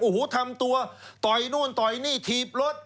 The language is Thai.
โอ้โหทำตัวต่อยนู่นต่อยนี่ถีบรถ